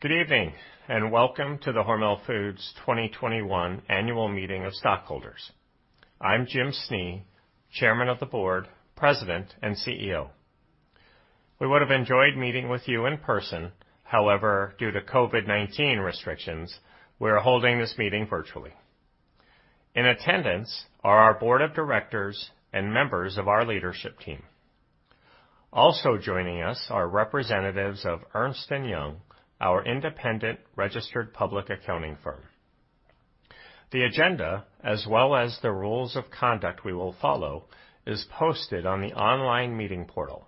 Good evening and welcome to the Hormel Foods 2021 Annual Meeting of Stockholders. I'm Jim Snee, Chairman of the Board, President, and CEO. We would have enjoyed meeting with you in person; however, due to COVID-19 restrictions, we are holding this meeting virtually. In attendance are our Board of Directors and members of our leadership team. Also joining us are representatives of Ernst & Young, our independent registered public accounting firm. The agenda, as well as the rules of conduct we will follow, is posted on the online meeting portal.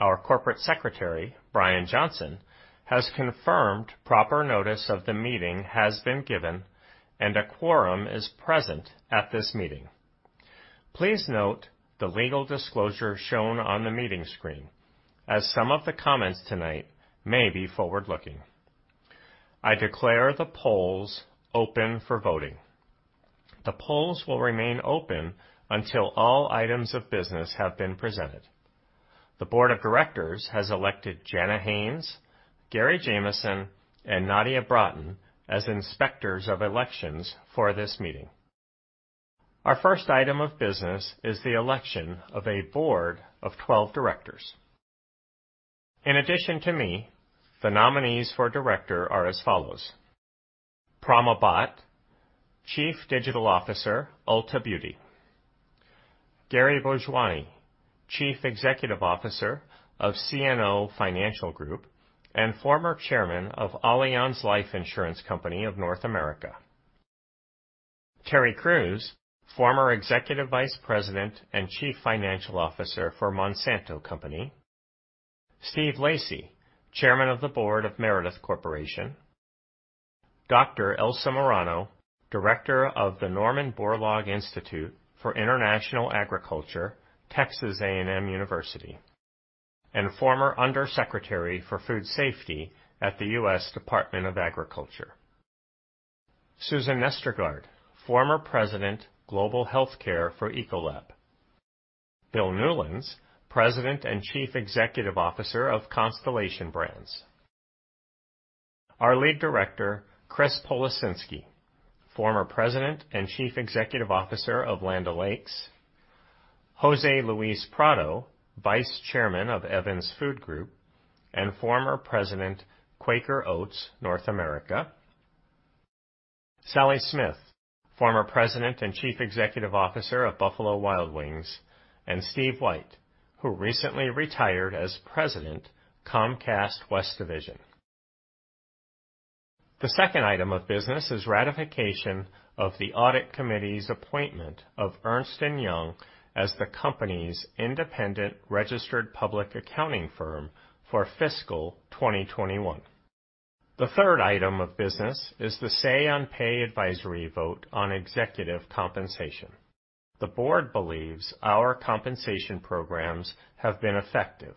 Our Corporate Secretary, Brian Johnson, has confirmed proper notice of the meeting has been given, and a quorum is present at this meeting. Please note the legal disclosure shown on the meeting screen, as some of the comments tonight may be forward-looking. I declare the polls open for voting. The polls will remain open until all items of business have been presented. The Board of Directors has elected Janna Haynes, Gary Jameson, and Nadia Bratton as inspectors of elections for this meeting. Our first item of business is the election of a board of 12 directors. In addition to me, the nominees for director are as follows: Pramod Bhatt, Chief Digital Officer, Ulta Beauty; Gary Bourjouani, Chief Executive Officer of C&O Financial Group and former Chairman of Allianz Life Insurance Company of North America; Terry Crews, former Executive Vice President and Chief Financial Officer for Monsanto Company; Steve Lacy, Chairman of the Board of Meredith Corporation; Dr. Elsa Murano, Director of the Norman Borlaug Institute for International Agriculture, Texas A&M University; and former Under Secretary for Food Safety at the U.S. Department of Agriculture, Susan Nestegard, former President, Global Healthcare for Ecolab, Bill Newlands, President and Chief Executive Officer of Constellation Brands, our Lead Director, Chris Policinski, former President and Chief Executive Officer of Land O'Lakes, José Luis Prado, Vice Chairman of Evans Food Group and former President, Quaker Oats North America, Sally Smith, former President and Chief Executive Officer of Buffalo Wild Wings, and Steve White, who recently retired as President, Comcast West Division. The second item of business is ratification of the Audit Committee's appointment of Ernst & Young as the company's independent registered public accounting firm for fiscal 2021. The third item of business is the say-on-pay advisory vote on executive compensation. The board believes our compensation programs have been effective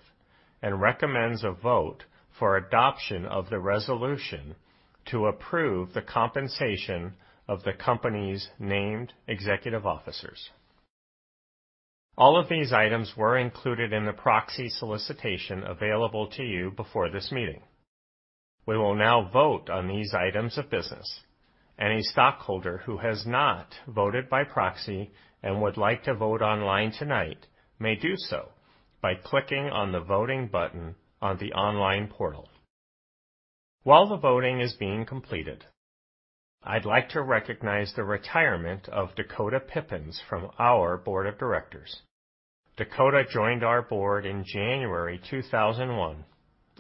and recommends a vote for adoption of the resolution to approve the compensation of the company's named executive officers. All of these items were included in the proxy solicitation available to you before this meeting. We will now vote on these items of business. Any stockholder who has not voted by proxy and would like to vote online tonight may do so by clicking on the voting button on the online portal. While the voting is being completed, I'd like to recognize the retirement of Dakota Pippens from our Board of Directors. Dakota joined our board in January 2001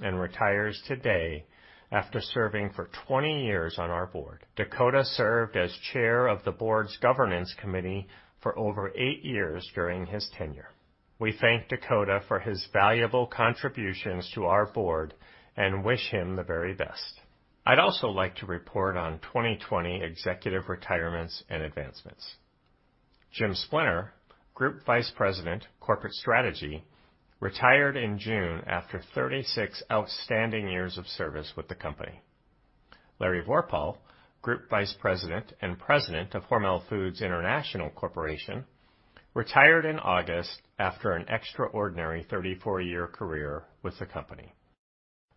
and retires today after serving for 20 years on our board. Dakota served as Chair of the Board's Governance Committee for over eight years during his tenure. We thank Dakota for his valuable contributions to our board and wish him the very best. I'd also like to report on 2020 executive retirements and advancements. Jim Splenner, Group Vice President, Corporate Strategy, retired in June after 36 outstanding years of service with the company. Larry Vorpahl, Group Vice President and President of Hormel Foods International Corporation, retired in August after an extraordinary 34-year career with the company.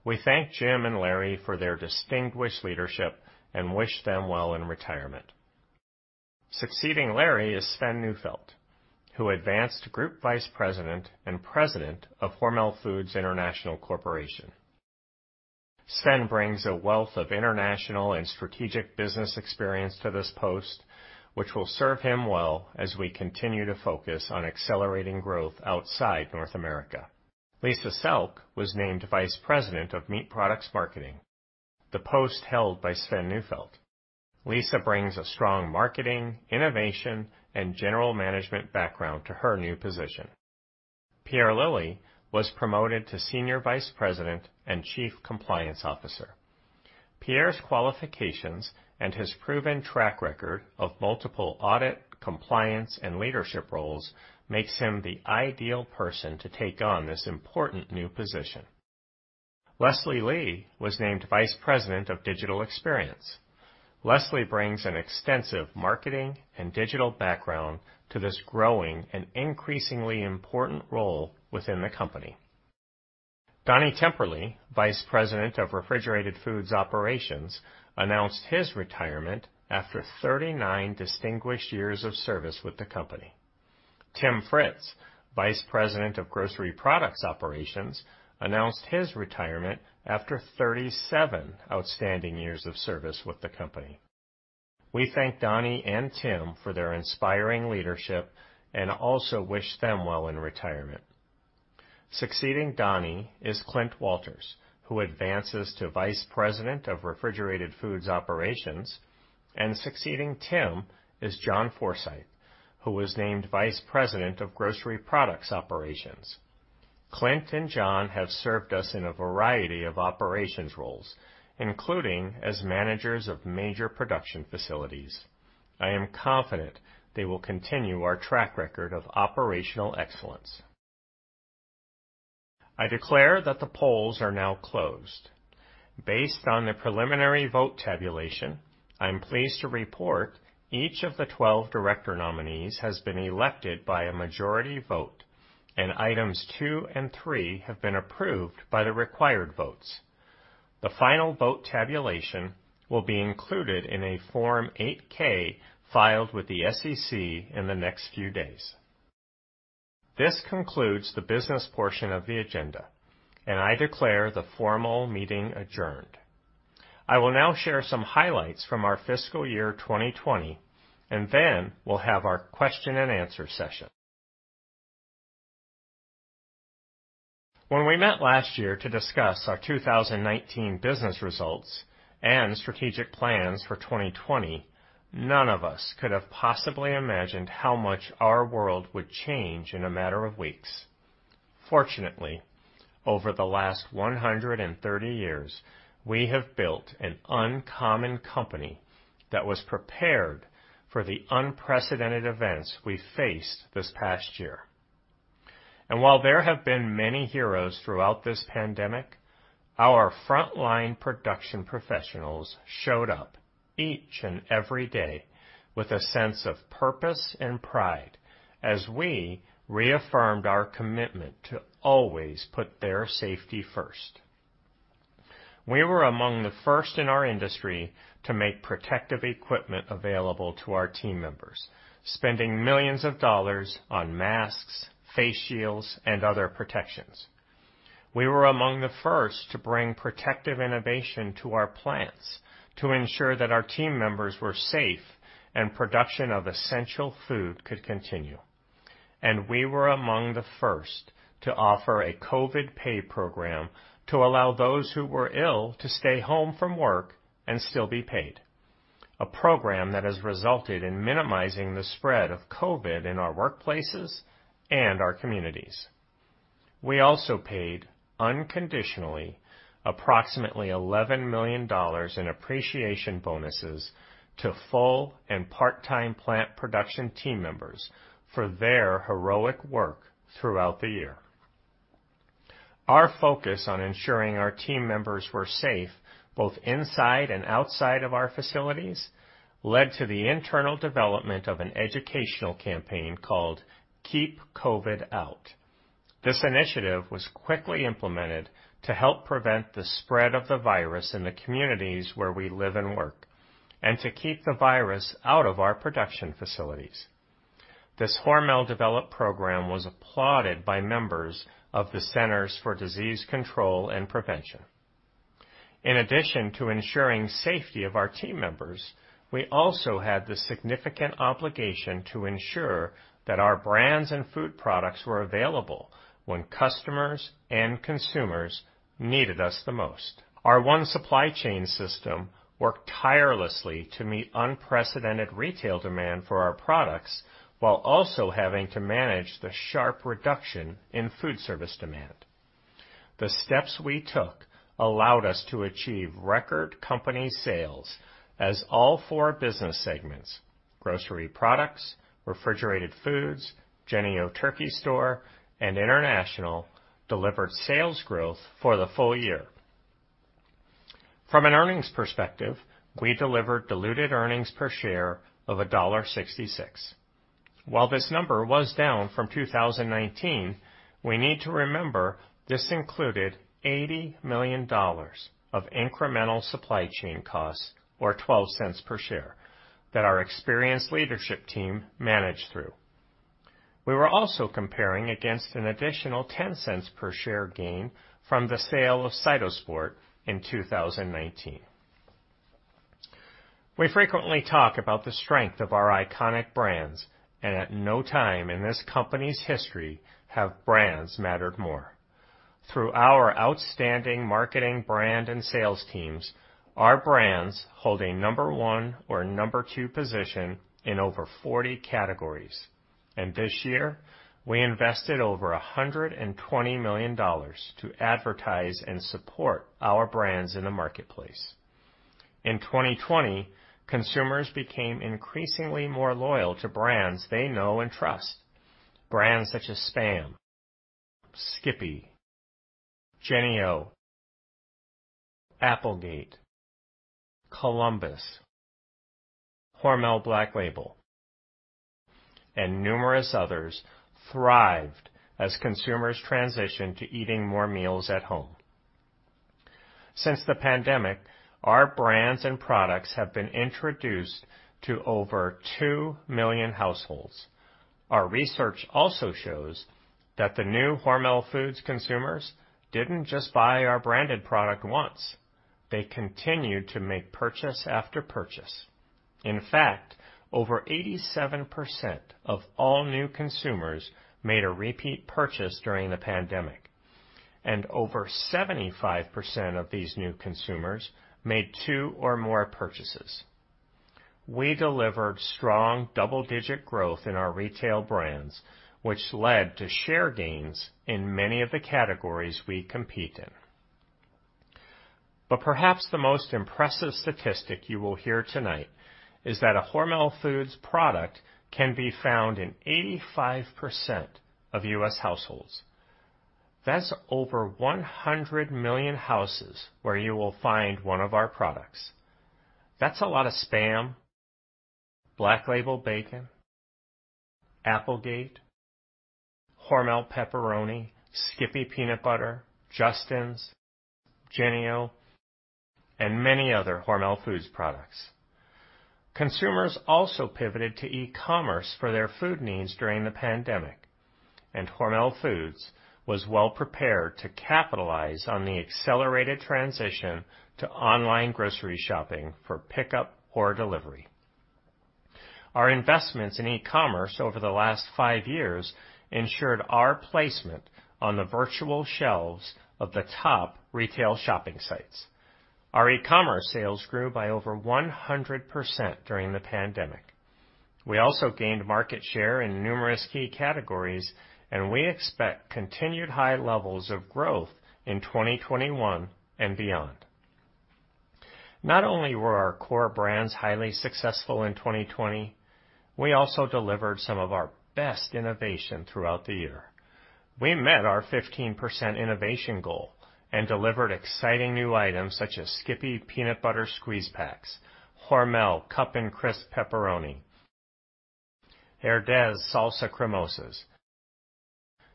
We thank Jim and Larry for their distinguished leadership and wish them well in retirement. Succeeding Larry is Sven Neufeldt, who advanced to Group Vice President and President of Hormel Foods International Corporation. Sven brings a wealth of international and strategic business experience to this post, which will serve him well as we continue to focus on accelerating growth outside North America. Lisa Selk was named Vice President of Meat Products Marketing, the post held by Sven Neufeldt. Lisa brings a strong marketing, innovation, and general management background to her new position. Pierre Lilly was promoted to Senior Vice President and Chief Compliance Officer. Pierre's qualifications and his proven track record of multiple audit, compliance, and leadership roles make him the ideal person to take on this important new position. Leslie Lee was named Vice President of Digital Experience. Leslie brings an extensive marketing and digital background to this growing and increasingly important role within the company. Donnie Temperley, Vice President of Refrigerated Foods Operations, announced his retirement after 39 distinguished years of service with the company. Tim Fritz, Vice President of Grocery Products Operations, announced his retirement after 37 outstanding years of service with the company. We thank Donnie and Tim for their inspiring leadership and also wish them well in retirement. Succeeding Donnie is Clint Walters, who advances to Vice President of Refrigerated Foods Operations, and succeeding Tim is John Forsythe, who was named Vice President of Grocery Products Operations. Clint and John have served us in a variety of operations roles, including as managers of major production facilities. I am confident they will continue our track record of operational excellence. I declare that the polls are now closed. Based on the preliminary vote tabulation, I'm pleased to report each of the 12 director nominees has been elected by a majority vote, and items two and three have been approved by the required votes. The final vote tabulation will be included in a Form 8K filed with the SEC in the next few days. This concludes the business portion of the agenda, and I declare the formal meeting adjourned. I will now share some highlights from our fiscal year 2020, and then we'll have our question and answer session. When we met last year to discuss our 2019 business results and strategic plans for 2020, none of us could have possibly imagined how much our world would change in a matter of weeks. Fortunately, over the last 130 years, we have built an uncommon company that was prepared for the unprecedented events we faced this past year. While there have been many heroes throughout this pandemic, our frontline production professionals showed up each and every day with a sense of purpose and pride as we reaffirmed our commitment to always put their safety first. We were among the first in our industry to make protective equipment available to our team members, spending millions of dollars on masks, face shields, and other protections. We were among the first to bring protective innovation to our plants to ensure that our team members were safe and production of essential food could continue. We were among the first to offer a COVID pay program to allow those who were ill to stay home from work and still be paid, a program that has resulted in minimizing the spread of COVID in our workplaces and our communities. We also paid unconditionally approximately $11 million in appreciation bonuses to full and part-time plant production team members for their heroic work throughout the year. Our focus on ensuring our team members were safe both inside and outside of our facilities led to the internal development of an educational campaign called Keep COVID Out. This initiative was quickly implemented to help prevent the spread of the virus in the communities where we live and work and to keep the virus out of our production facilities. This Hormel-developed program was applauded by members of the Centers for Disease Control and Prevention. In addition to ensuring the safety of our team members, we also had the significant obligation to ensure that our brands and food products were available when customers and consumers needed us the most. Our one supply chain system worked tirelessly to meet unprecedented retail demand for our products while also having to manage the sharp reduction in food service demand. The steps we took allowed us to achieve record company sales as all four business segments—grocery products, refrigerated foods, Jennie-O Turkey Store, and international—delivered sales growth for the full year. From an earnings perspective, we delivered diluted earnings per share of $1.66. While this number was down from 2019, we need to remember this included $80 million of incremental supply chain costs, or $0.12 per share, that our experienced leadership team managed through. We were also comparing against an additional $0.10 per share gain from the sale of Cytosport in 2019. We frequently talk about the strength of our iconic brands, and at no time in this company's history have brands mattered more. Through our outstanding marketing, brand, and sales teams, our brands hold a number one or number two position in over 40 categories. This year, we invested over $120 million to advertise and support our brands in the marketplace. In 2020, consumers became increasingly more loyal to brands they know and trust. Brands such as Spam, Skippy, Jennie-O, Applegate, Columbus, Hormel Black Label, and numerous others thrived as consumers transitioned to eating more meals at home. Since the pandemic, our brands and products have been introduced to over 2 million households. Our research also shows that the new Hormel Foods consumers did not just buy our branded product once; they continued to make purchase after purchase. In fact, over 87% of all new consumers made a repeat purchase during the pandemic, and over 75% of these new consumers made two or more purchases. We delivered strong double-digit growth in our retail brands, which led to share gains in many of the categories we compete in. Perhaps the most impressive statistic you will hear tonight is that a Hormel Foods product can be found in 85% of U.S. households. That is over 100 million houses where you will find one of our products. That is a lot of Spam, Black Label bacon, Applegate, Hormel pepperoni, Skippy peanut butter, Justin's, Jennie-O, and many other Hormel Foods products. Consumers also pivoted to e-commerce for their food needs during the pandemic, and Hormel Foods was well prepared to capitalize on the accelerated transition to online grocery shopping for pickup or delivery. Our investments in e-commerce over the last five years ensured our placement on the virtual shelves of the top retail shopping sites. Our e-commerce sales grew by over 100% during the pandemic. We also gained market share in numerous key categories, and we expect continued high levels of growth in 2021 and beyond. Not only were our core brands highly successful in 2020, we also delivered some of our best innovation throughout the year. We met our 15% innovation goal and delivered exciting new items such as Skippy peanut butter squeeze packs, Hormel cup and crisp pepperoni, Herdez salsa cremosas,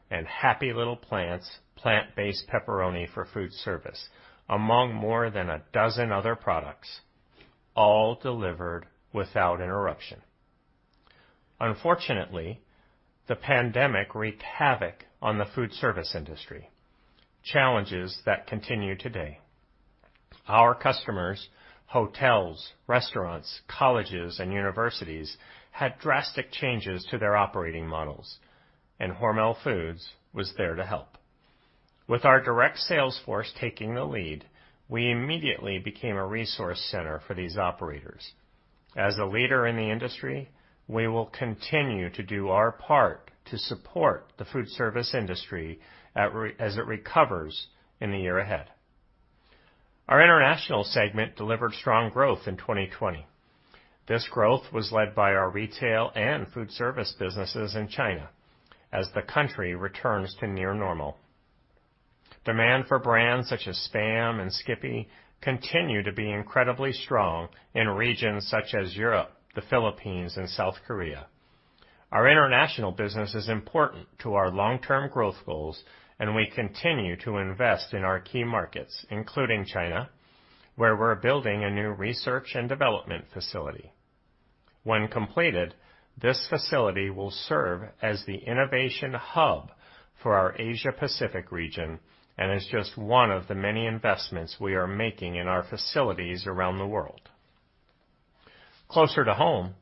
and Happy Little Plants plant-based pepperoni for food service, among more than a dozen other products, all delivered without interruption. Unfortunately, the pandemic wreaked havoc on the food service industry, challenges that continue today. Our customers, hotels, restaurants, colleges, and universities had drastic changes to their operating models, and Hormel Foods was there to help. With our direct sales force taking the lead, we immediately became a resource center for these operators. As a leader in the industry, we will continue to do our part to support the food service industry as it recovers in the year ahead. Our international segment delivered strong growth in 2020. This growth was led by our retail and food service businesses in China as the country returns to near normal. Demand for brands such as Spam and Skippy continued to be incredibly strong in regions such as Europe, the Philippines, and South Korea. Our international business is important to our long-term growth goals, and we continue to invest in our key markets, including China, where we're building a new research and development facility. When completed, this facility will serve as the innovation hub for our Asia-Pacific region and is just one of the many investments we are making in our facilities around the world. Closer to home,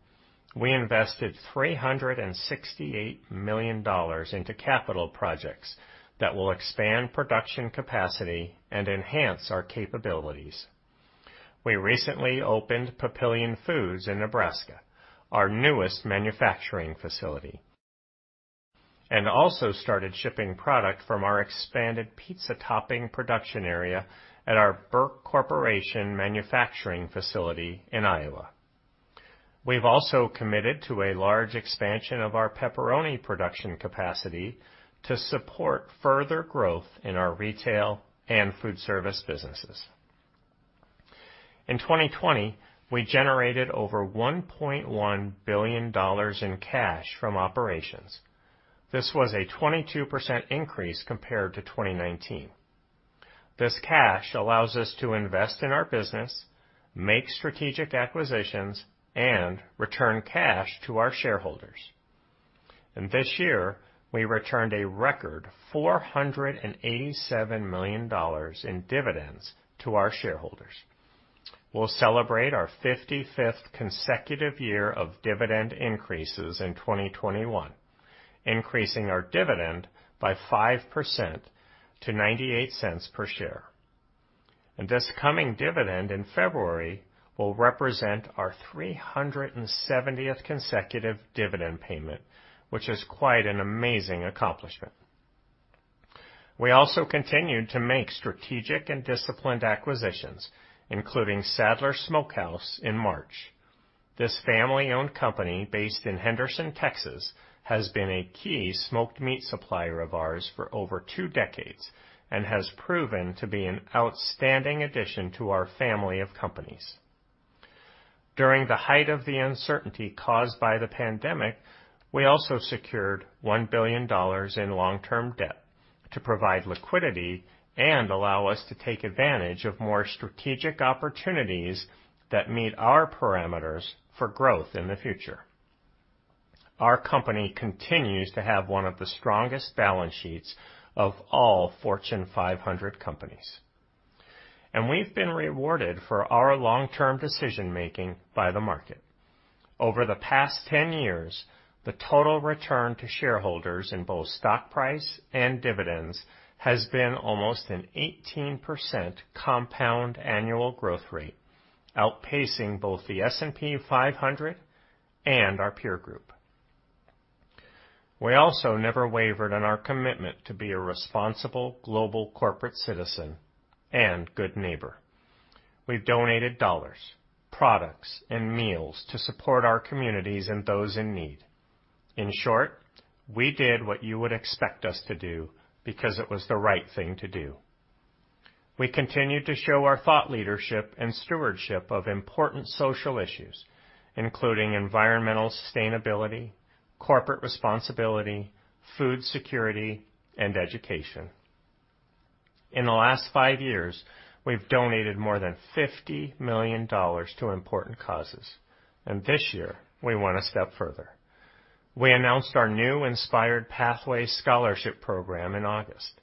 we invested $368 million into capital projects that will expand production capacity and enhance our capabilities. We recently opened Papillion Foods in Nebraska, our newest manufacturing facility, and also started shipping product from our expanded pizza topping production area at our Burke Corporation manufacturing facility in Iowa. We have also committed to a large expansion of our pepperoni production capacity to support further growth in our retail and food service businesses. In 2020, we generated over $1.1 billion in cash from operations. This was a 22% increase compared to 2019. This cash allows us to invest in our business, make strategic acquisitions, and return cash to our shareholders. This year, we returned a record $487 million in dividends to our shareholders. We will celebrate our 55th consecutive year of dividend increases in 2021, increasing our dividend by 5% to $0.98 per share. This coming dividend in February will represent our 370th consecutive dividend payment, which is quite an amazing accomplishment. We also continued to make strategic and disciplined acquisitions, including Sadler Smokehouse in March. This family-owned company based in Henderson, Texas, has been a key smoked meat supplier of ours for over two decades and has proven to be an outstanding addition to our family of companies. During the height of the uncertainty caused by the pandemic, we also secured $1 billion in long-term debt to provide liquidity and allow us to take advantage of more strategic opportunities that meet our parameters for growth in the future. Our company continues to have one of the strongest balance sheets of all Fortune 500 companies. We have been rewarded for our long-term decision-making by the market. Over the past 10 years, the total return to shareholders in both stock price and dividends has been almost an 18% compound annual growth rate, outpacing both the S&P 500 and our peer group. We also never wavered in our commitment to be a responsible global corporate citizen and good neighbor. We have donated dollars, products, and meals to support our communities and those in need. In short, we did what you would expect us to do because it was the right thing to do. We continue to show our thought leadership and stewardship of important social issues, including environmental sustainability, corporate responsibility, food security, and education. In the last five years, we have donated more than $50 million to important causes. This year, we want to step further. We announced our new Inspired Pathways Scholarship Program in August.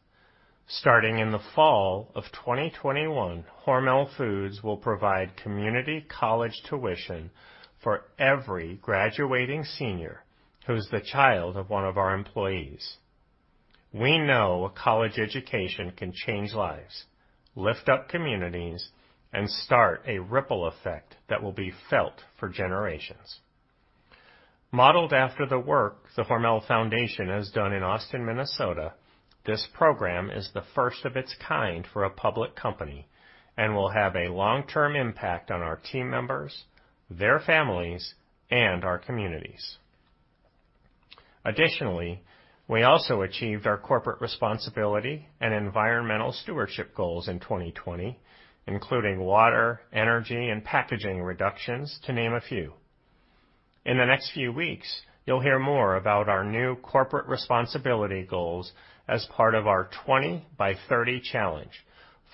Starting in the fall of 2021, Hormel Foods will provide community college tuition for every graduating senior who is the child of one of our employees. We know a college education can change lives, lift up communities, and start a ripple effect that will be felt for generations. Modeled after the work the Hormel Foundation has done in Austin, Minnesota, this program is the first of its kind for a public company and will have a long-term impact on our team members, their families, and our communities. Additionally, we also achieved our corporate responsibility and environmental stewardship goals in 2020, including water, energy, and packaging reductions, to name a few. In the next few weeks, you'll hear more about our new corporate responsibility goals as part of our 20 by 30 challenge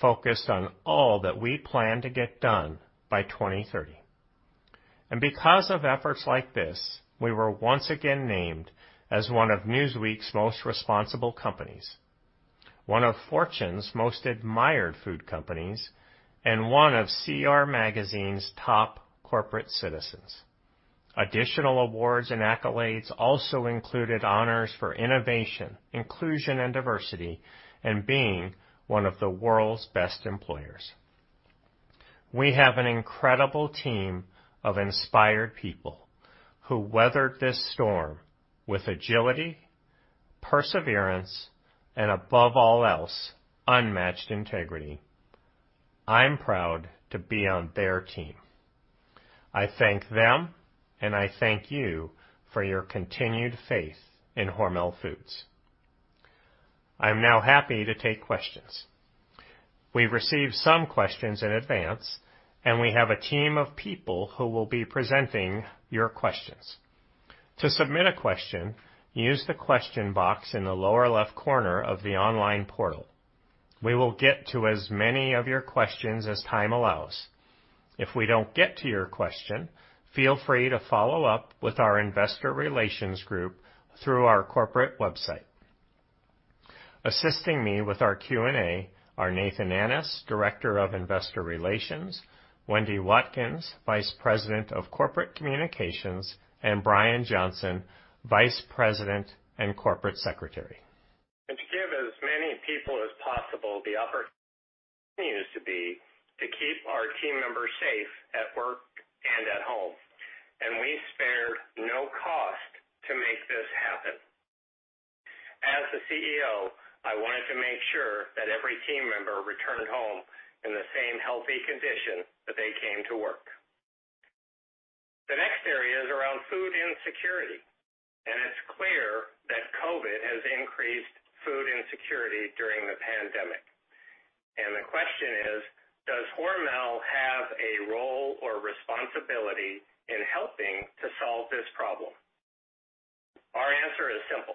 focused on all that we plan to get done by 2030. Because of efforts like this, we were once again named as one of Newsweek's most responsible companies, one of Fortune's most admired food companies, and one of CR Magazine's top corporate citizens. Additional awards and accolades also included honors for innovation, inclusion, and diversity, and being one of the world's best employers. We have an incredible team of inspired people who weathered this storm with agility, perseverance, and above all else, unmatched integrity. I'm proud to be on their team. I thank them, and I thank you for your continued faith in Hormel Foods. I'm now happy to take questions. We've received some questions in advance, and we have a team of people who will be presenting your questions. To submit a question, use the question box in the lower left corner of the online portal. We will get to as many of your questions as time allows. If we don't get to your question, feel free to follow up with our investor relations group through our corporate website. Assisting me with our Q&A are Nathan Annis, Director of Investor Relations; Wendy Watkins, Vice President of Corporate Communications; and Brian Johnson, Vice President and Corporate Secretary. To give as many people as possible the opportunity to be to keep our team members safe at work and at home. We spared no cost to make this happen. As the CEO, I wanted to make sure that every team member returned home in the same healthy condition that they came to work. The next area is around food insecurity. It is clear that COVID-19 has increased food insecurity during the pandemic. The question is, does Hormel have a role or responsibility in helping to solve this problem? Our answer is simple.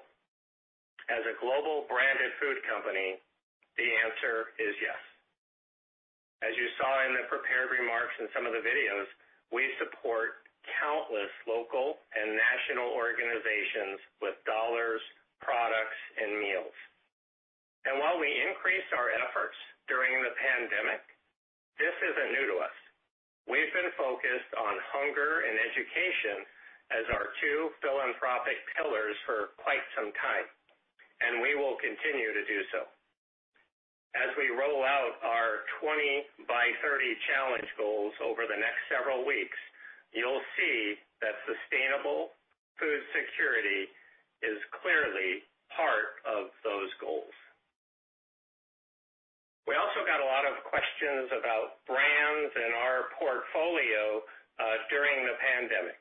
As a global branded food company, the answer is yes. As you saw in the prepared remarks and some of the videos, we support countless local and national organizations with dollars, products, and meals. While we increased our efforts during the pandemic, this isn't new to us. We've been focused on hunger and education as our two philanthropic pillars for quite some time, and we will continue to do so. As we roll out our 20 by 30 challenge goals over the next several weeks, you'll see that sustainable food security is clearly part of those goals. We also got a lot of questions about brands and our portfolio during the pandemic,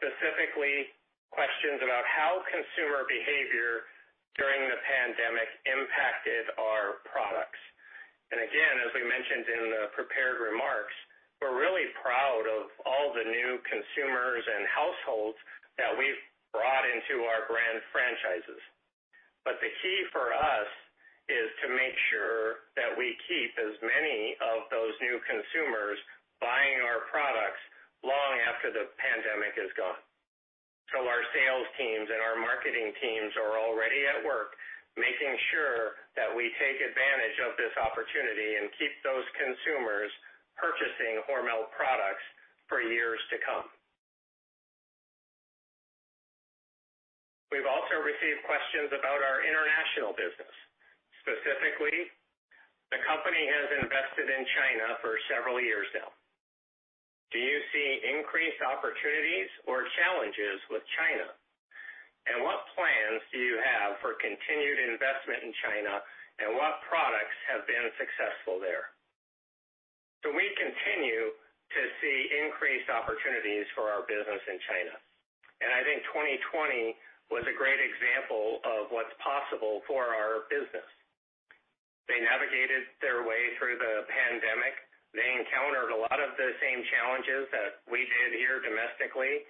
specifically questions about how consumer behavior during the pandemic impacted our products. As we mentioned in the prepared remarks, we're really proud of all the new consumers and households that we've brought into our brand franchises. The key for us is to make sure that we keep as many of those new consumers buying our products long after the pandemic is gone. Our sales teams and our marketing teams are already at work making sure that we take advantage of this opportunity and keep those consumers purchasing Hormel products for years to come. We've also received questions about our international business. Specifically, the company has invested in China for several years now. Do you see increased opportunities or challenges with China? What plans do you have for continued investment in China, and what products have been successful there? We continue to see increased opportunities for our business in China. I think 2020 was a great example of what's possible for our business. They navigated their way through the pandemic. They encountered a lot of the same challenges that we did here domestically: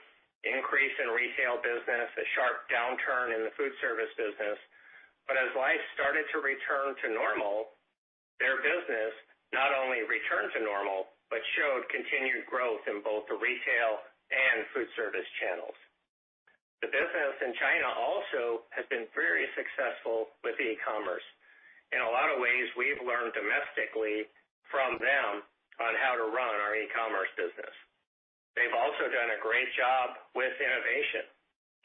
increase in retail business, a sharp downturn in the food service business. As life started to return to normal, their business not only returned to normal, but showed continued growth in both the retail and food service channels. The business in China also has been very successful with e-commerce. In a lot of ways, we've learned domestically from them on how to run our e-commerce business. They've also done a great job with innovation.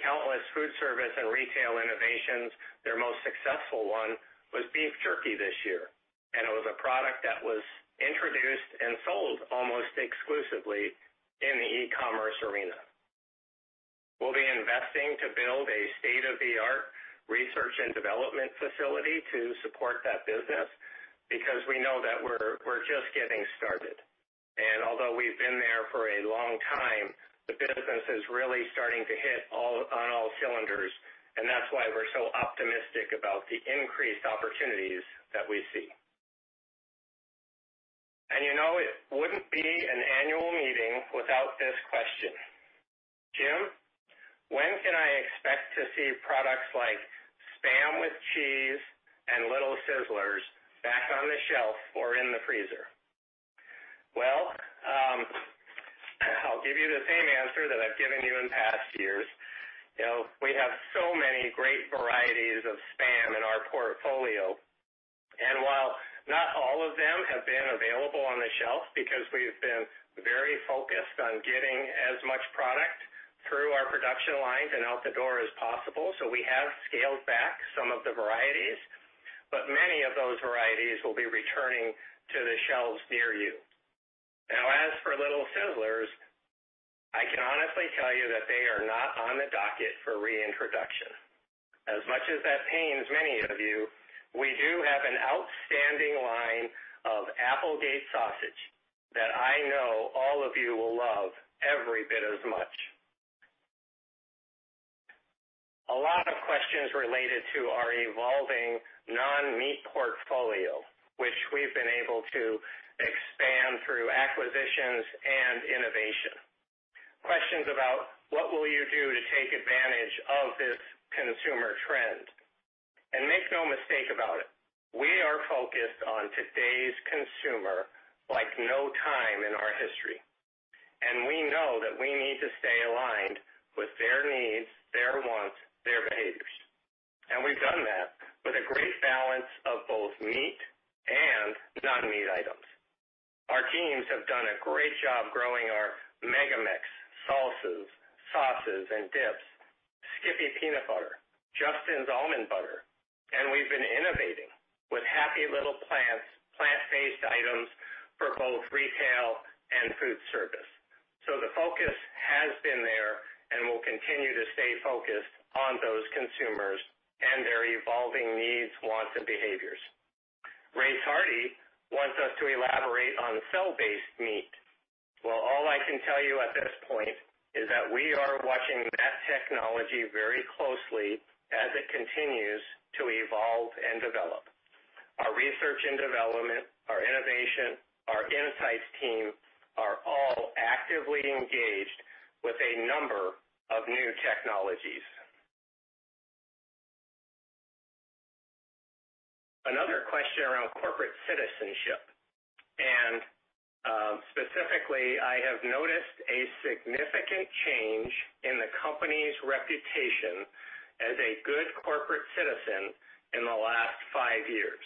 Countless food service and retail innovations. Their most successful one was beef jerky this year. It was a product that was introduced and sold almost exclusively in the e-commerce arena. We'll be investing to build a state-of-the-art research and development facility to support that business because we know that we're just getting started. Although we've been there for a long time, the business is really starting to hit on all cylinders. That is why we're so optimistic about the increased opportunities that we see. You know, it wouldn't be an annual meeting without this question. Jim, when can I expect to see products like Spam with Cheese and Little Sizzlers back on the shelf or in the freezer? I'll give you the same answer that I've given you in past years. We have so many great varieties of Spam in our portfolio. While not all of them have been available on the shelf because we've been very focused on getting as much product through our production lines and out the door as possible, we have scaled back some of the varieties. Many of those varieties will be returning to the shelves near you. Now, as for Little Sizzlers, I can honestly tell you that they are not on the docket for reintroduction. As much as that pains many of you, we do have an outstanding line of Applegate sausage that I know all of you will love every bit as much. A lot of questions related to our evolving non-meat portfolio, which we've been able to expand through acquisitions and innovation. Questions about what will you do to take advantage of this consumer trend. Make no mistake about it, we are focused on today's consumer like no time in our history. We know that we need to stay aligned with their needs, their wants, their behaviors. We have done that with a great balance of both meat and non-meat items. Our teams have done a great job growing our mega mix, salsas, sauces, and dips, Skippy peanut butter, Justin's almond butter. We have been innovating with Happy Little Plants, plant-based items for both retail and food service. The focus has been there and will continue to stay focused on those consumers and their evolving needs, wants, and behaviors. Ray Tardy wants us to elaborate on cell-based meat. All I can tell you at this point is that we are watching that technology very closely as it continues to evolve and develop. Our research and development, our innovation, our insights team are all actively engaged with a number of new technologies. Another question around corporate citizenship. Specifically, I have noticed a significant change in the company's reputation as a good corporate citizen in the last five years.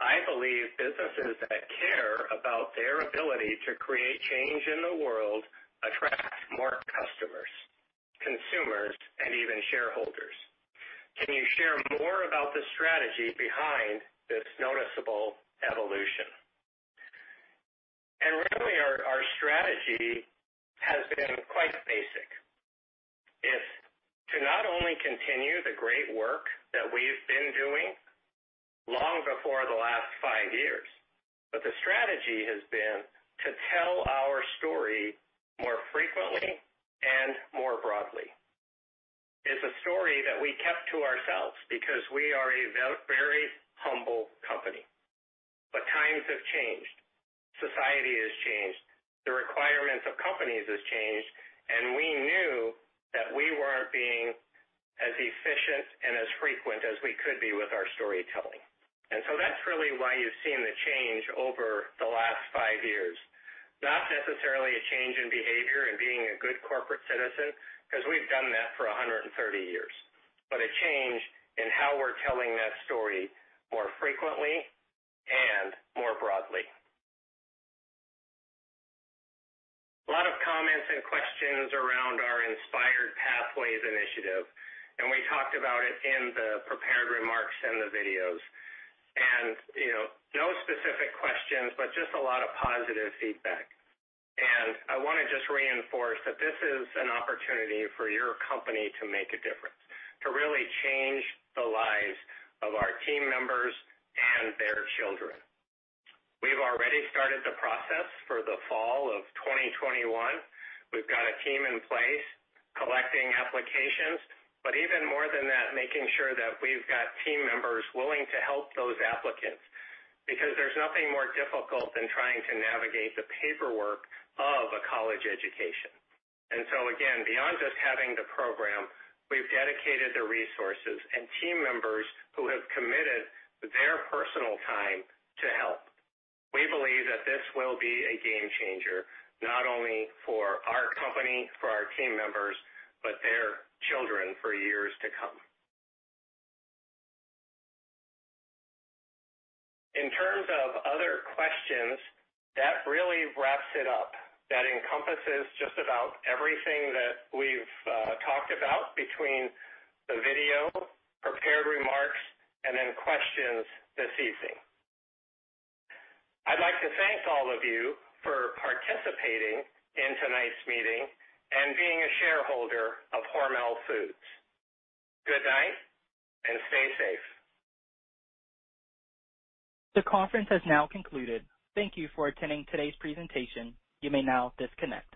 I believe businesses that care about their ability to create change in the world attract more customers, consumers, and even shareholders. Can you share more about the strategy behind this noticeable evolution? Really, our strategy has been quite basic. It's to not only continue the great work that we've been doing long before the last five years, but the strategy has been to tell our story more frequently and more broadly. It's a story that we kept to ourselves because we are a very humble company. Times have changed. Society has changed. The requirements of companies have changed. We knew that we weren't being as efficient and as frequent as we could be with our storytelling. That's really why you've seen the change over the last five years. Not necessarily a change in behavior and being a good corporate citizen because we've done that for 130 years, but a change in how we're telling that story more frequently and more broadly. A lot of comments and questions around our Inspired Pathways initiative. We talked about it in the prepared remarks and the videos. No specific questions, but just a lot of positive feedback. I want to just reinforce that this is an opportunity for your company to make a difference, to really change the lives of our team members and their children. We have already started the process for the fall of 2021. We have a team in place collecting applications. Even more than that, making sure that we have team members willing to help those applicants because there is nothing more difficult than trying to navigate the paperwork of a college education. Again, beyond just having the program, we have dedicated the resources and team members who have committed their personal time to help. We believe that this will be a game changer not only for our company, for our team members, but their children for years to come. In terms of other questions, that really wraps it up. That encompasses just about everything that we have talked about between the video, prepared remarks, and then questions this evening. I would like to thank all of you for participating in tonight's meeting and being a shareholder of Hormel Foods. Good night and stay safe. The conference has now concluded. Thank you for attending today's presentation. You may now disconnect.